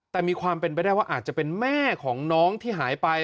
แต่มีความเป็นไปได้ว่าอาจจะเป็นแม่ของน้องที่หายไป